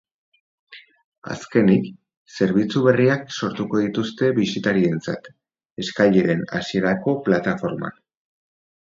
Azkenik, zerbitzu berriak sortuko dituzte bisitarientzat, eskaileren hasierako plataforman.